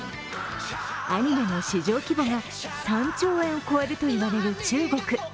アニメの市場規模が３兆円を超えると言われる中国。